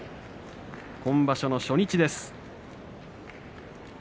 今場所の初日です。